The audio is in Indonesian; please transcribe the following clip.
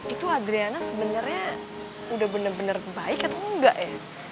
itu adriana sebenernya udah bener bener baik atau enggak ya